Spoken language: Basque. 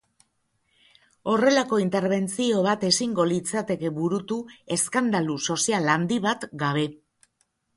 Horrelako interbentzio bat ezingo litzateke burutu, eskandalu sozial handi bat gabe.